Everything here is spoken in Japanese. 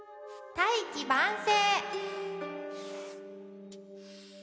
「大器晩成」